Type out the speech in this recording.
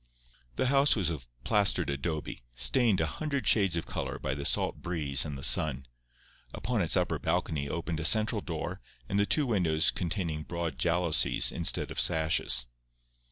The house was of plastered adobe, stained a hundred shades of colour by the salt breeze and the sun. Upon its upper balcony opened a central door and two windows containing broad jalousies instead of sashes.